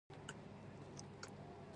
بوتل د ښوونکو لخوا د تجربو لپاره کارېږي.